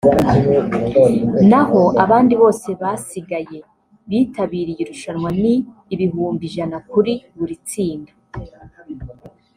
naho abandi bose basigaye bitabiriye irushanwa ni ibihumbi ijana kuri buri tsinda